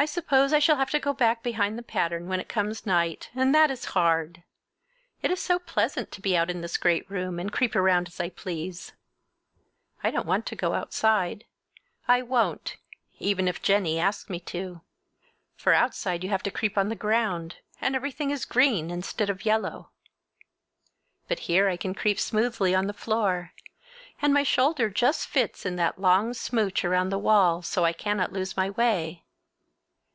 I suppose I shall have to get back behind the pattern when it comes night, and that is hard! It is so pleasant to be out in this great room and creep around as I please! I don't want to go outside. I won't, even if Jennie asks me to. For outside you have to creep on the ground, and everything is green instead of yellow. But here I can creep smoothly on the floor, and my shoulder just fits in that long smooch around the wall, so I cannot lose my way.